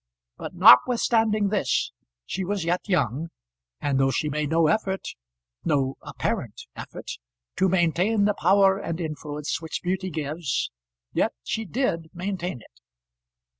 But, notwithstanding this, she was yet young; and though she made no effort no apparent effort to maintain the power and influence which beauty gives, yet she did maintain it.